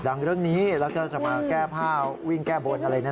เรื่องนี้แล้วก็จะมาแก้ผ้าวิ่งแก้บนอะไรนะ